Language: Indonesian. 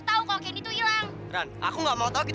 tapi ini bukan rumah sakit